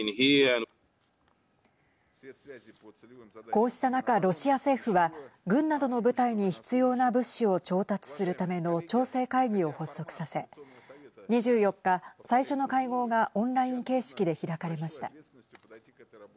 こうした中、ロシア政府は軍などの部隊に必要な物資を調達するための調整会議を発足させ２４日、最初の会合がオンライン形式で開かれました。